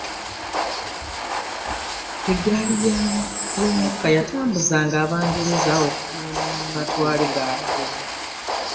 Eggali y'omukka yatambuzanga abangereza okugenda mu matwale gaabwe.